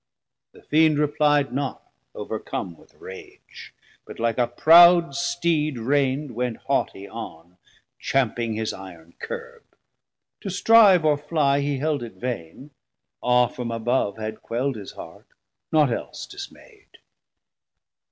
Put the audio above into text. The Fiend repli'd not, overcome with rage; But like a proud Steed reind, went hautie on, Chaumping his iron curb: to strive or flie He held it vain; awe from above had quelld 860 His heart, not else dismai'd.